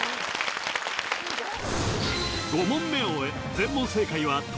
５問目を終え全問正解は東